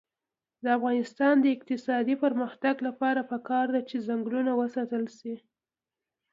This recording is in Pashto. د افغانستان د اقتصادي پرمختګ لپاره پکار ده چې ځنګلونه وساتل شي.